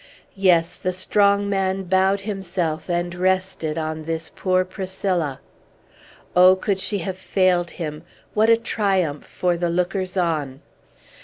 Yes; the strong man bowed himself and rested on this poor Priscilla! Oh, could she have failed him, what a triumph for the lookers on!